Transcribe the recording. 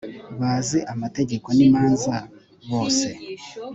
bazi amategeko n imanza bose